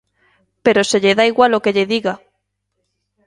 Pero se lle dá igual o que lle diga.